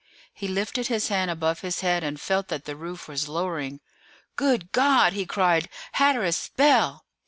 He lifted his hand above his head, and felt that the roof was lowering. "Good God!" he cried; "Hatteras! Bell!"